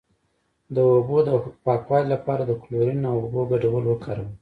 د اوبو د پاکوالي لپاره د کلورین او اوبو ګډول وکاروئ